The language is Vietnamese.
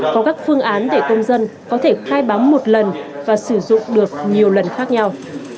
có các phương án để công dân có thể khai báo một lần và sử dụng được nhiều lần khác nhau